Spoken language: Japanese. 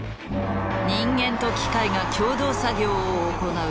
人間と機械が共同作業を行う「魔改造の夜」